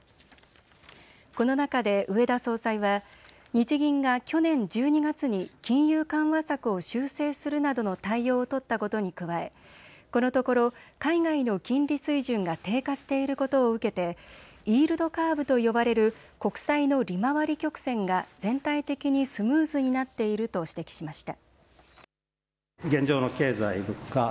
この中で植田総裁は日銀が去年１２月に金融緩和策を修正するなどの対応を取ったことに加え、このところ海外の金利水準が低下していることを受けてイールドカーブと呼ばれる国債の利回り曲線が全体的にスムーズになっていると指摘しました。